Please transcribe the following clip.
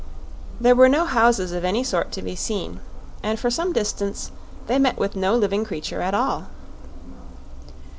There were no houses of any sort to be seen, and for some distance they met with no living creature at all.